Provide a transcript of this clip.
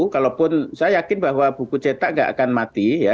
kalaupun saya yakin bahwa buku cetak nggak akan mati ya